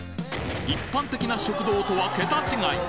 一般的な食堂とはケタ違い！